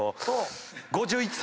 ５１歳！